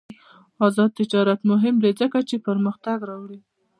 آزاد تجارت مهم دی ځکه چې پرمختګ راوړي.